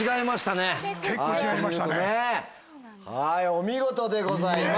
お見事でございます。